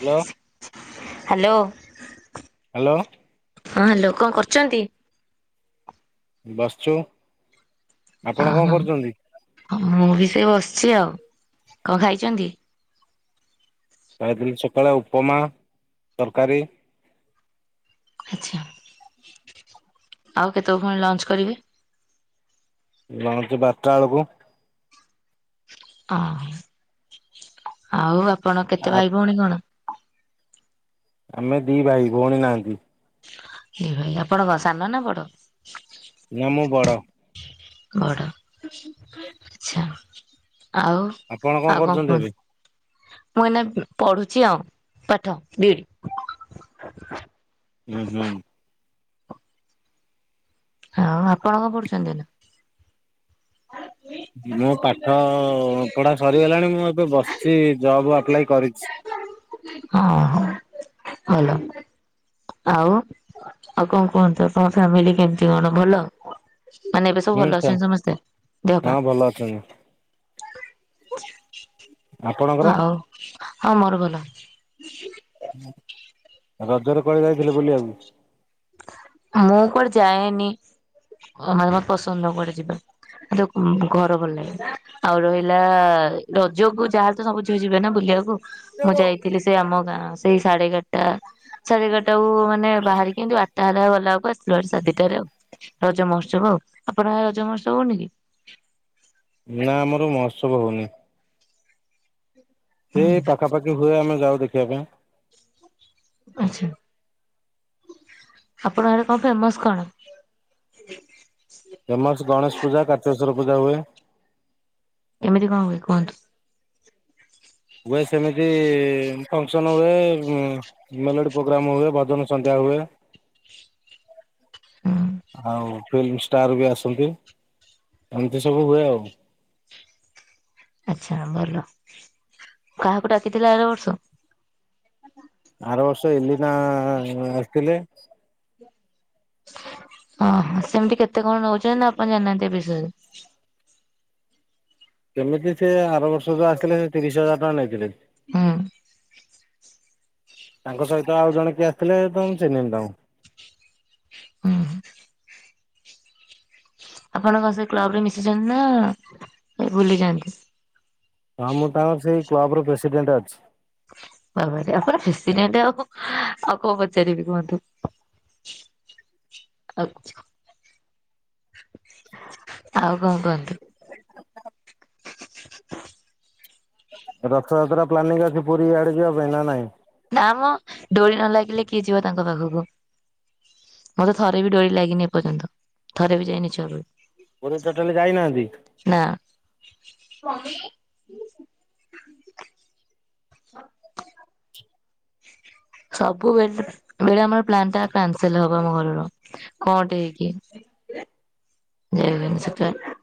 Hello. Hello. Hello. ହଁ hello କଅଁ କରୁଚନ୍ତି? ବସିଛୁ ଆପଣ କଣ କରୁଛନ୍ତି? ହଁ ମୁଁ ବି ସେ ବସିଛି ଆଉ କଅଁ ଖାଇଚନ୍ତି? ଖାଇଥିଲି ସକାଳେ ଉପମା ତରକାରୀ ଆଚ୍ଛା। ଆଉ କେତେ ପୁଣି ଲଞ୍ଚ କରିବେ? ଲଞ୍ଚ ବାରଟା ବେଳକୁ। ଓୋ ଆଉ ଆପଣ କେତେ ଆ ପାଇ ଭଉଣୀ? ଆମେ ଦି ଭାଇ ଭଉଣୀ ନାହାନ୍ତି। ବି ଭାଇ ଆପଣ ସାନ ନା ବଡ଼? ନା ମୁ ବଡ଼। ବଡ ଆଛା ଆଉ ଆପଣ ଆଉ କଣ କରୁଛନ୍ତି କୁହନ୍ତ ଏବେ? ମୁଁ ଏନା ପଢୁଛି ଆଉ ପାଠ ବିଡ୍‌। ହୁଁ ହୁଁ। ଆଉ ଆପଣ କଣ ପଢୁଛନ୍ତି ଏବେ? ମୁଁ ପାଠ ପଢା ସରିଗଲାଣି ମୁଁ ଏବେ ବସିଛି ଜବ୍ ଆପ୍ଲାଏ କରିଛି। ଆ ହାଁ ଭଲ। ଆଉ ଆଉ କଣ କୁହନ୍ତୁ ତମ ଫ୍ୟାମିଲି କେମତି କଣ ଭଲ। ମାନେ ଏବେ ସବୁ ହୁଁ ଭଲ ଅଛନ୍ତି ସମସ୍ତେ? ଦେହ ପା? ହଁ ଭଲ ଅଛନ୍ତି। ଆପଣଙ୍କର ଆଉ ହଁ ମୋର ଭଲ। ରଜରେ କୁଆଡେ ଯାଇଥିଲେ ବୁଲିବାକୁ? ମୁଁ କୁଆଡେ ଯାଏନି ମାମାର ଜମା ପସନ୍ଦ ନୁହଁ କୁଆଡେ ଯିବା। ଆ ତ ଘର ଭଲ ଲାଗ [unintelligible] ଆଉ ରହିଲା ରଜକୁୁ ଯାହା ତ ସବୁ ଝିଅ ଯିବେ ନା ବୁଲିବାକୁ। ମୁଁ ଯାଇଥିଲି ସେ ଆମ ଗାଁ ସେଇ ସାଢ଼େ ଏଗାରଟା ସାଢେ ଏଗାରଟାକୁ ମାନେ ବାହାରିକି କିନ୍ତୁ ତାହେଲେ ଆଉ ଗଲା ଳେକୁ ଆସିବ ଭାରି ସାଢେଦିଟାରେ ଆଉ ରଜ ମହୋତ୍ସବ ଆଉ ଆପଣଙ୍କ ଆଡ଼େ ରଜ ମହୋତ୍ସବ ହଉନି କି? ନା ଆମର ମହୋତ୍ସବ ହଉନି। ଏ ପାଖାପାଖି ହୁଏ ଆମେ ଯାଉ ଦେଖିବା ପାଇଁ। ଆଛା, ଆପଣ ଆଡେ କଣ ଫେମସ କଣ? ଫେମସ ଗଣେଶ ପୂଜା, କାର୍ତିକେଶ୍ୱର ପୂଜା ହୁଏ। କେମିତି କଁ ହୁଏ କୁହନ୍ତୁ। ହୁଏ ସେମିତି ଫଙ୍କସନ ହୁଏ। ମେଲୋଡି ପ୍ରୋଗ୍ରାମ ହୁଏ, ଭଜନ ସନ୍ଧ୍ୟା ହୁଏ। ହୁଁ ଆଉ ଫିଲ୍ମ ଷ୍ଟାର ବି ଆସନ୍ତି, ଏମିତି ସବୁ ହୁଏ ଆଉ। ଆଚ୍ଛା, ଭଲ କାହାକୁ ଡାକିଥିଲେ ଆର ବର୍ଷ? ଆର ବର୍ଷ ଏଲି ନା ଆସିଥିଲେ। ଅ ହ ସେମତି କେତେ କଣ ନଉଛନ୍ତି ନା ଆପଣ ଜାଣନାହାନ୍ତି ଏ ବିଷୟରେ? ସେମିତି ସିଏ ଆର ବର୍ଷ ତ ଆସିଥିଲେ ସେ ତିରିଶ ହଜାର ଟଙ୍କା ନେଇଥିଲେ। ହୁଁ। ତାଙ୍କ ସହିତ ଆଉ ଜଣ କିଏ ଆସିଥିଲେ ତ ମୁଁ ଚିହ୍ନିନି ତାଙ୍କୁ। ଉଁ ହୁଁ। ଆପଣ କଣ ସେ କ୍ଲବ ରେ ମିଶିଛନ୍ତି ନା ସେ ଭୁଲି ଯାନ୍ତି। ହଁ ମୁଁ ତାଙ୍କର ସେଇ କ୍ଲବ ର ପ୍ରେସିଡେଣ୍ଟ ଅଛି। ତାପରେ ଆପଣ ଖୁସି ନାହାଁନ୍ତି ଆଉ କ ଆଉ କଣ ପଚାରିବି କୁହନ୍ତୁ। ଆଛ ଆଉ କଁ କୁହନ୍ତୁ। ରଥଯାତ୍ରା ପ୍ଲାନିଙ୍ଗ ଅଛି ପୁରୀ ଆଡେ ଯିବା ପାଇଁ ନା ନାଇଁ? ନା ମ ଡୋରି ନ ଲାଗିଲେ କିଏ ଯିବ ତାଙ୍କ ପାଖକୁ। ମତେ ଥରେ ବି ଡୋରି ଲାଗିନି ଏପର୍ଯ୍ୟନ୍ତ ଥରେ ବି ଯାଇନି ଛୁଆ ବେଳୁ। ପୁରୀ ତୋଟାଲେ ଯାଇନାହାନ୍ତି। ନା। ସବୁବେଳେ ବେଳେ ଆମର ପ୍ଲାନ ଟା କାନସଲ ହବ ଆମ ଘରର କଁ ଟେ ହେଇକି। [inaudible] ଯାଇ ହୁଏନି ସେଥି ପାଇଁ।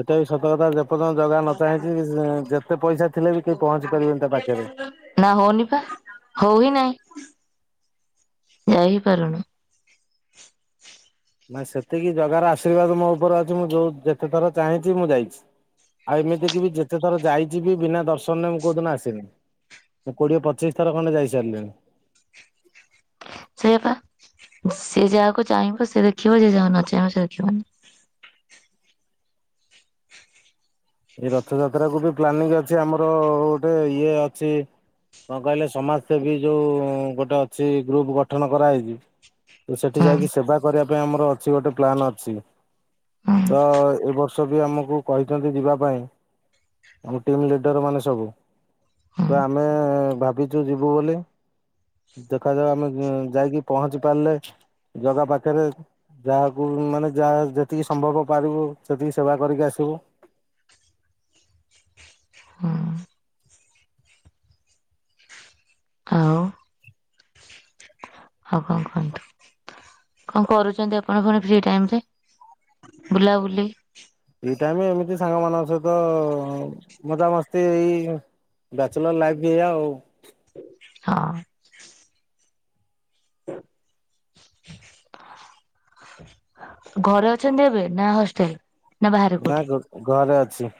ସେଟା ବି ସତର୍କତା ଯେପର୍ଯ୍ୟନ୍ତ ଜଗା ନ ଚାହିଁଚି ଯେତେ ପଇସା ଥିଲେ ବି କେହି ପହଞ୍ଚି ପାରିବେନି ତା ପାଖେରେ। ନା ହଉନି ପା, ହଉ ହି ନାଇଁ ଯାଇ ହି ପାରୁନୁ। ନା ସେତିକି ଜଗାର ଆଶୀର୍ବାଦ ମୋ ଉପରେ ଅଛି ମୁଁ ଯୋଉ ଯେତେ ଥର ଚାହିଁଛି ମୁଁ ଯାଇଛି। ଆଉ ଏମିତି କି ବି ଯେତେ ଥର ଯାଇଛିିବି ବିନା ଦର୍ଶନରେ ମୁଁ କୋଉ ଦିନ ଆସିନି। ମୁଁ କୋଡିଏ ପଚିଶ ଥର ଖଣ୍ଡେ ଯାଇସାରିଲିଣି। ସେଇଆପା ସିଏ ଯାହାକୁ ଚାହିଁବ ସିଏ ଦେଖିବ ଯିଏ ଯାହାକୁ ନ ଚାହିଁବ ସେ ଦେଖିବନି। ଏଇ ରଥଯାତ୍ରା କୁ ବି ପ୍ଲାନିଂ ଅଛି ଆମର ଗୋଟେ ଇଏ ଅଛି। କଁ କହିଲେ ସମାଜ ସେବୀ ଯୋଉ ଗୋଟେ ଅଛି ଗ୍ରୁପ ଗଠନ କରାହେଇଛି। ତ ସେଠି ହୁଁ ଯାଇକି ସେବା କରିବା ପାଇଁ ଆମର ଅଛି ଗୋଟେ ପ୍ଲାନ୍ ଅଛି। ହୁଁ ତ ଏ ବର୍ଷ ବି ଆମକୁ କହିଛନ୍ତି ଯିବା ପାଇଁ ଆମ ଟିମ୍ ଲିଡର ମାନେ ସବୁ। ହୁଁ ତ ଆମେ ଭାବିଚୁ ଯିବୁ ବୋଲି। ଦେଖାଯାଉ ଆମେ ଯାଇକି ପହଞ୍ଚି ପାରିଲେ ଜଗା ପାଖରେ ଯାହାକୁ ମାନେ ଯାହା ଯେତିକି ସମ୍ଭବ ପାରିବୁ ସେତିକି ସେବା କରିକି ଆସିବୁ। ହୁଁ ଆଉ। କଁ କରୁଛନ୍ତି ଆପଣ ପୁଣି ଫ୍ରି ଟାଇମ ରେ ବୁଲାବୁଲି? ଫ୍ରି ଟାଇମ ଏମିତି ସାଙ୍ଗମାନଙ୍କ ସହିତ ମଜାମସ୍ତି ଏଇ। ବ୍ୟାଚଲର ଲାଇଫ୍ ଏୟା ଆଉ। ହଁ ଘରେ ଅଛନ୍ତି ଏବେ ନା ହଷ୍ଟେଲ ବାହାରେ ନା କୋଉଠି? ଘରେ ଅଛି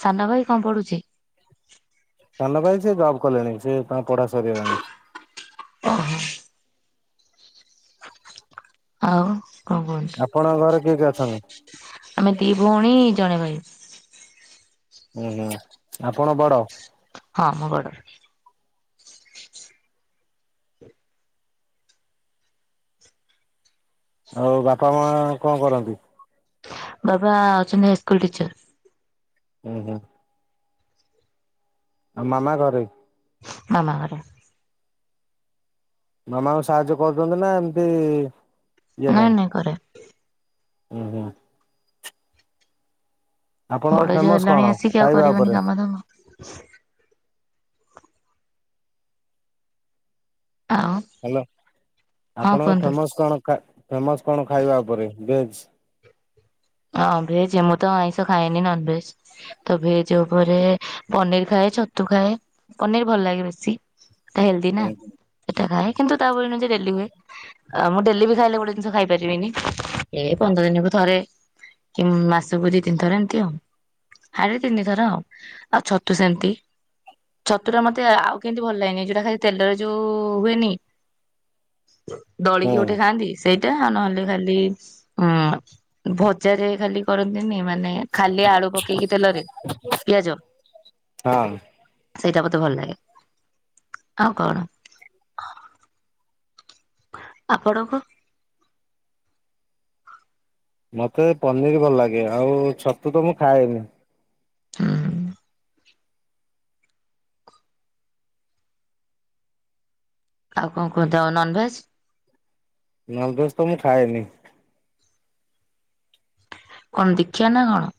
ସାନ ଭାଇ କଣ ପଡୁଛି ସାନ ପାଇଁ ସେ ଜବ୍ କଲେଣି ସେ ତାଙ୍କ ପଢା ସରିଗଲାଣି [inaudible] ଆଉ କଣ କୁହନ୍ତୁ ଆପଣଙ୍କ ଘରେ କିଏ କି ଅଛନ୍ତି ଆମେ ଦି ଭଉଣୀ ଜଣେ ଭାଇ ହୁଁ ହୁଁ ଆପଣ ବଡ ହଁ ମୁଗୋଡ଼ି ଆଉ ବାପା ମା କଣ କରନ୍ତି ବାବା ଅଛନ୍ତି ହାଇ ସ୍କୁଲ ଟିଚର ହୁଁ ହୁଁ ଆଉ ମାମା ଘରେ ମାମା ଘରେ ମାମାଙ୍କୁ ସାହାଯ୍ୟ କରୁଛନ୍ତି ନା ଏମିତି ଇଏ ନାଇଁ ନାହିଁ? ନାଇଁ କରେ ହୁଁ ହୁଁ ଆପଣଙ୍କର ବଡ ଯିଅ ଫେମସ କଣ ହେଲାଣି ଆସିକି ଆଉ ଖାଇବା ଉପରେ? କରିବନି କାମ ତବ ଆଉ ହ୍ୟାଲୋ ହଁ ଆପଣଙ୍କ କୁହନ୍ତୁ? ଫେମସ କଣ ଫେମସ କଣ ଖାଇବା ଉପରେ ଭେଜ ହଁ ଭେଜ ମୁଁ ତ ଆଇଁଷ ଖାଇଏନି ନନ ଭେଜ ତ ଭେଜ ଉପରେ ପନିର ଖାଏ ଛତୁ ଖାଏ ପନିର ଭଲ ଲାଗେ ବେଶୀ ହେଲ୍ଦି ନା ହୁଁ ସେଟା ଖାଏ କିନ୍ତୁ ତାପନୁ ଯେ ଡଲି ହୁଏ ଆ ମୁଁ ଡେଲି ବି ଖାଇଲେ ଗୋଟେ ଜିନିଷ ଖାଇ ପାରିବିନି ଏ ପନ୍ଦର ଦିନକୁ ଥରେ କି ମାସକୁ ଦି ତିନିଥର ଏମିତି ଆଉ ସାଢେ ତିନିଥର ଆଉ ଆଉ ଛତୁ ସେମିତି ଛତୁଟା ମତେ ଆଉ କେମିତି ଭଲ ଲାଗେନି ଏ ଯୋଉଟା ଖାଲି ତେଲରେ ଯୋଉ ହୁଏନି [inaudible] ଦଳିକି ଗୋଟେ ଖାଆନ୍ତି ସେଇଟା ଆଉ ନହେଲେ ଖାଲି ଉଁ ଭ ଜାରେ ଖାଲି କରନ୍ତିନି ମାନେ ଖାଲି ଆଳୁ ପକେଇକି ତେଲରେ ପିଆଜ ହଁ ସେଇଟା ମତେ ଭଲ ଲାଗେ। ଆଉ କଣ ଆପଣଙ୍କ? ମତେ ପନିର୍ ଭଲ ଲାଗେ ଆଉ ଛତୁ ତ ମୁଁ ଖାଏନି। ହୁଁ ଆଉ କଣ କୁହନ୍ତୁ ଆଉ ନନ୍ଭେଜ୍? ନନ୍ଭେଜ୍ ତ ମୁଁ ଖାଏନି। କଣ ଦୀକ୍ଷା ନା କଣ?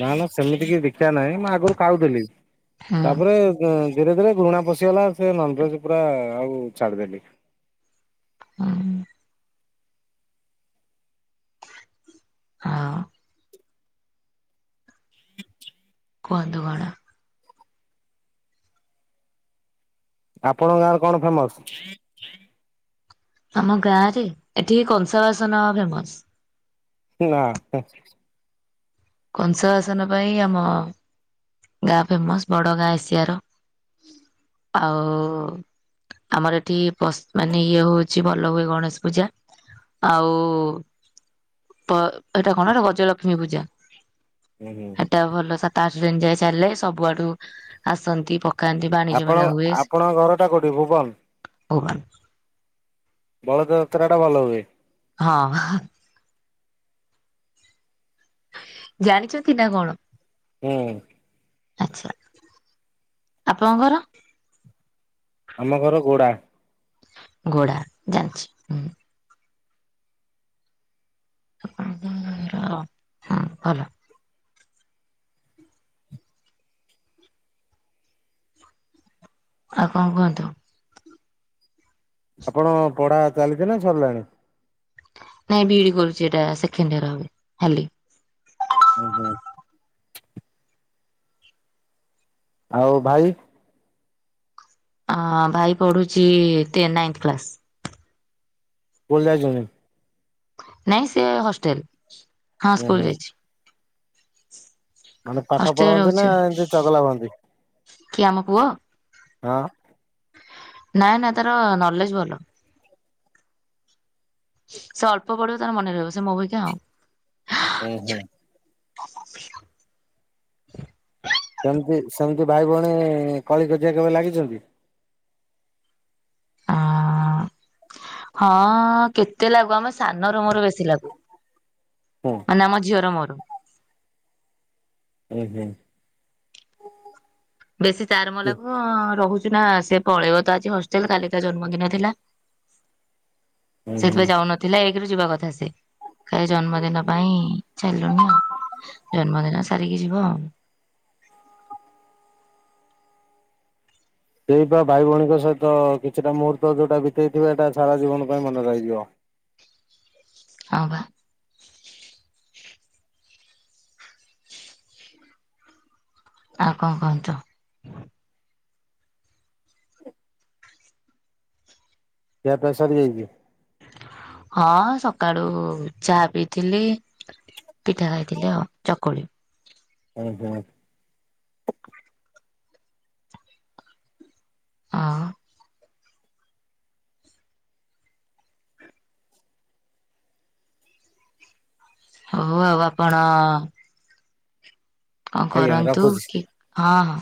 ନା ନା ସେମିତି କି ଦୀକ୍ଷା ନାହିଁ ମୁଁ ଆଗରୁ ଖାଉଥେଲି ହୁଁ ତାପରେ ଧୀରେ ଧୀରେ ଘୃଣା ପଶିଗଲା ସେ ନନ୍ଭେଜ୍ ପୁରା ଆଉ ଛାଡିଦେଲି। ହୁଁ। ଆଉ କୁହନ୍ତୁ କଣ। ଆପଣଙ୍କ ଗାଁରେ କଣ ଫେମସ୍? ଆମ ଗାଁ ରେ ଏଠିକି କଂସା ବାସନ ଫେମସ୍। ନାଁ ହୁଁ। କଂସା ବାସନ ପାଇଁ ଆମ ଗାଁ ଫେମସ୍ ବଡ ଗାଁ ଏସିଆର। ଆଉ ଆମର ଏଠି ପସ୍ ମାନେ ଇଏ ହଉଛି ଭଲ ହୁଏ ଗଣେଶ ପୂଜା। ଆଉ ପ ଏଟା କଣ ଏଟା ଗଜଲକ୍ଷ୍ମୀ ପୂଜା। ହୁଁ-ହୁଁ। ସେଟା ଭଲ ସାତ ଆଠ ଦିନ୍ ଯାଏ ଚାଲେ ସବୁଆଡୁ ଆସନ୍ତି ପ ଆପଣ ଆପଣଙ୍କ ଘର ଟା କୋଉଠି ଭୁବନ୍? ଭୁବନ୍। ବଳଦ ଯାତ୍ରା ଟା ଭଲ ହୁଏ। ହଁ ଅହ୍। ଜାଣିଚ କି ନା କଣ? ହୁଁ। ଆଛା ଆପଣଙ୍କ ଘର? ଆମ ଘର ଗୋଡ଼ା। ଗୋଡ଼ା ଜାଣିଛି ହୁଁ। [unintelligible] ହଁ ଭଲ। ଆଉ କଣ କୁହନ୍ତୁ? ଆପଣ ପଢା ଚାଲିଚି ନା ସରିଲାଣି? ନାଇଁ ବିଇଡି କରୁଛି ଏଇଟା ସେକେଣ୍ଡ ଇୟର ହବ ହେଲି। ହୁଁ ହୁଁ। ଆଉ ଭାଈ ଅ ଭାଇ ପଢ଼ୁଛି ଟେ ନାଇନ୍ଥ କ୍ଲାସ୍। ସ୍କୁଲ୍ ଯାଇଚନ୍ତି? ନାଇଁ ସିଏ ହଷ୍ଟେଲ୍ ହଁ ହୁଁ ସ୍କୁଲ ହୁଁ। ଯାଇଛି। ମାନେ ପାଠ ହଷ୍ଟେଲରେ ପଢ଼ନ୍ତି ରହୁଛି ନା ଏମିତି ଚଗଲା ହୁଅନ୍ତି? କିଏ ଆମ ପୁଅ? ହଁ। ନା-ନା ତାର ନଲେଜ୍ ଭଲ। ସେ ଅଳ୍ପ ପଢିବ ତାର ମନେ ରହିବ ସେ ମୋ ଭଳିକା ଆଉ। ଉଁ ହୁଁ। ସେମିତି ସେମିତି ଭାଇ ଭଉଣୀ କଳି କଜିଆ କେବେ ଲାଗିଛନ୍ତି? ଆ ହଁ କେତେ ଲାଗୁ ଆମେ ସାନ ର ମୋର ବେଶୀ ଲାଗୁ। ହୁଁ। ମାନେ ଆମ ଝିଅର ମୋର। ଉହୁଁ। ବେଶୀ ତାର ମୋର ଲାଗୁ ରହୁଚୁ ନା ସେ ପଳେଇବ ତ ଆଜି ହଷ୍ଟେଲ କାଲିି ତା ଜନ୍ମଦିନ ଥିଲା। ହୁଁ ହୁଁ। ସେଥିପାଇଁ ଯାଉନଥିଲା ଏକରୁ ଯିବା କଥା ସେ ଖାଲି ଜନ୍ମଦିନ ପାଇଁ ଚାଲ [unintelligible] ଜନ୍ମଦିନ ସାରିକି ଯିବ ଆଉ। ସେଇ ବା ଭାଇ ଭଉଣୀଙ୍କ ସହିତ କିଛିଟା ମୁହୂର୍ତ୍ତ ଯୋଉଟା ବିତେଇ ଥିବା ଏଇଟା ସାରା ଜୀବନ ପାଇଁ ମନେ ରହିଯିବ। ହ ବା। ଆଉ କଣ କହନ୍ତୁ? ଖିଆ ପିଆ ସରି ଯାଇଛି? ହଁ ସକାଳୁ ଚା ପିଇଥିଲି। ପିଠା ଖାଇଥିଲି ଆଉ ଚକୁଳି। ହୁଁ ହୁଁ। ହଁ। ହଉ ଆଉ ଆପଣ କଣ ଆଜ୍ଞା କରନ୍ତୁ ରଖୁଛି। କି ହଁ ହଁ।